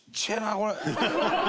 これ。